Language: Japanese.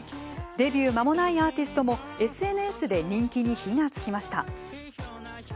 デビューまもないアーティストもＳＮＳで人気に火が付きました。